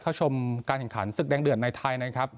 เข้าชมการแข่งขันศึกแดงเดือดในไทยนะครับ